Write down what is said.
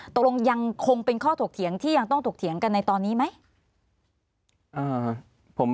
ยังคงเป็นข้อถกเถียงที่ยังต้องถกเถียงกันในตอนนี้ไหม